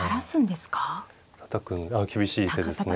たたくあ厳しい手ですね。